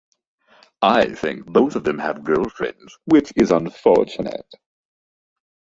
I think both of them have girlfriends, which is unfortunate.